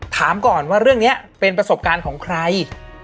ถามก่อนว่าเรื่องนี้เป็นประสบการณ์ของใคร